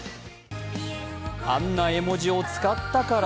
あんな絵文字を使ったから？